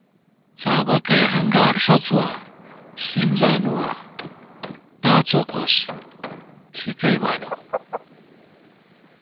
څابَکَئ ہنگار ݭَڅُواں سِم زانُوا ، تا څوکوس ، ݪِکَئ بالہ